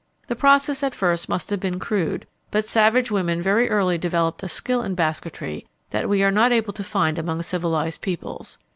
The process at first must have been crude, but savage women very early developed a skill in basketry that we are not able to find among civilized peoples.